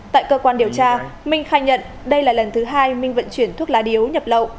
tại cơ quan điều tra minh khai nhận đây là lần thứ hai minh vận chuyển thuốc lá điếu nhập lậu